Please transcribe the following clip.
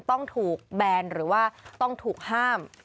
ต้องถูกแบนหรือว่าต้องถูกห้าม